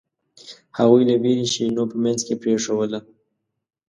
هغوی له وېرې شیرینو په منځ کې پرېښووله.